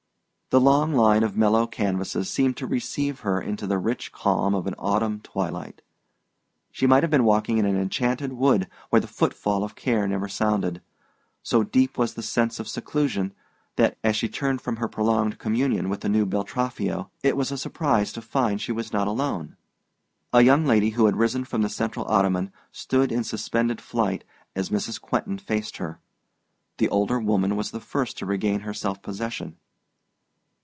The long line of mellow canvases seemed to receive her into the rich calm of an autumn twilight. She might have been walking in an enchanted wood where the footfall of care never sounded. So deep was the sense of seclusion that, as she turned from her prolonged communion with the new Beltraffio, it was a surprise to find she was not alone. A young lady who had risen from the central ottoman stood in suspended flight as Mrs. Quentin faced her. The older woman was the first to regain her self possession.